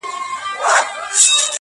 تا به د پی مخو صدقې ته زړه راوړی وي،